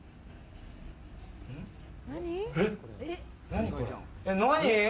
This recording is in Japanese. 何？